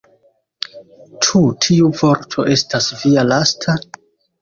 Ĉu tiu vorto estas via lasta?